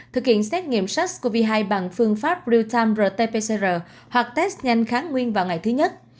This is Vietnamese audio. thực hiện xét nghiệm sars cov hai bằng phương pháp real time rt pcr hoặc test nhanh kháng nguyên vào ngày thứ nhất